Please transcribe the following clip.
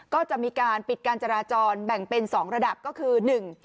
ก็จะมีการปิดการจราจรแบ่งเป็นสองระดับก็คือหนึ่ง